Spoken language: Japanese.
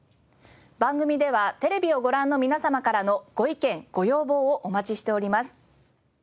番組ではテレビをご覧の皆様からのご意見ご要望をお待ちしております。